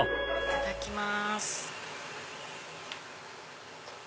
いただきます。